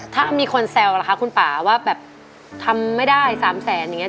ถ้ามีคนแซวล่ะคะคุณป่าว่าแบบทำไม่ได้สามแสนอย่างเงี้